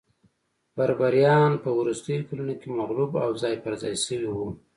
بربریان په وروستیو کلونو کې مغلوب او ځای پرځای شوي وو